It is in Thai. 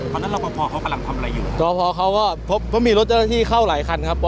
เพราะฉะนั้นรอบพอพอเขากำลังทำอะไรอยู่รอบพอเขาก็เพราะมีรถเจ้าหน้าที่เข้าหลายคันครับ